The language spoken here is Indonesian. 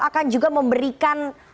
akan juga memberikan